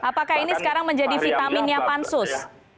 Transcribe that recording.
apakah ini sekarang menjadi vitaminnya pansus